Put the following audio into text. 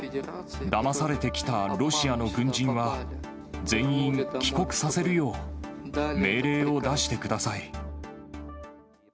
だまされて来たロシアの軍人は、全員帰国させるよう、命令を出してください。